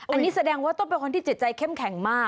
อันนี้แสดงว่าต้องเป็นคนที่จิตใจเข้มแข็งมาก